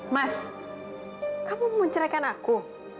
mas kamu mau mencerahkan aku